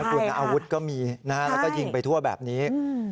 คุณอาวุธก็มีแล้วก็ยิงไปทั่วแบบนี้